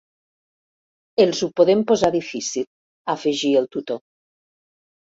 Els ho podem posar difícil —afegí el tutor.